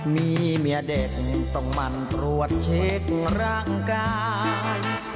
มีเมียเด็กต้องมันตรวจเช็คร่างกาย